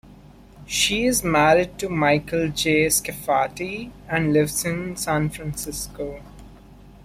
She is married to Michael J. Scafati and lives in San Francisco.